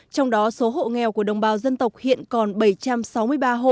trong đó số hộ nghèo của đồng bào dân tộc hiện còn bảy trăm sáu mươi ba hộ